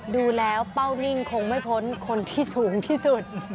ดูแล้วเป้านิ่งคงไม่พ้นคนที่สูงที่สุด